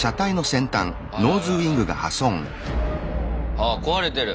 あ壊れてる。